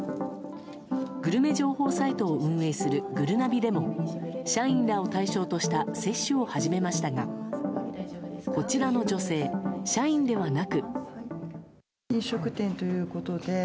グルメ情報サイトを運営するぐるなびでも社員らを対象とした接種を始めましたがこちらの女性、社員ではなく。